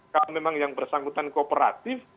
kalau memang yang bersangkutan kooperatif